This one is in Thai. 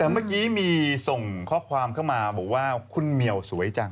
เมื่อกี้มีส่งข้อความเข้ามาบอกว่าคุณเหมียวสวยจัง